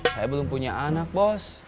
saya belum punya anak bos